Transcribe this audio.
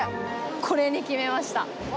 これに決めました。